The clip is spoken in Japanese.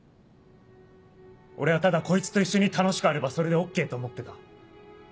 俺はただこいつと一緒に楽しくあればそれでＯＫと思ってた。